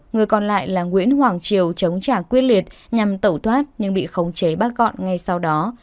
người còn lại là nguyễn hoàng triều chống trả quyết liệt nhằm tẩu thoát nhưng bị khống chế bắt gọn ngay sau đó